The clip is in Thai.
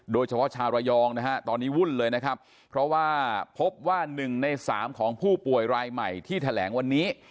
โดยเฉพาะชาวระยองนะฮะตอนนี้วุ่นเลยนะครับเพราะว่าพบว่า๑ใน๓ของผู้ป่วยรายใหม่ที่แถลงวันนี้